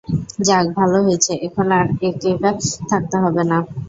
যাক, ভালো হয়েছে, এখন আর এক-একা থাকতে হবে না।